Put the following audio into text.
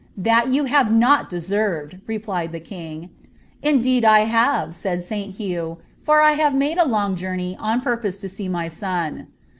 "That you have not deserved," replied the king. " Indeed I have," said St. Hugh, " for 1 hare made a long joamev m purpose to see my son."